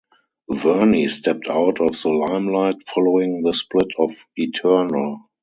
Vernie stepped out of the limelight following the split of Eternal.